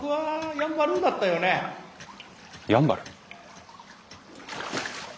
やんばる？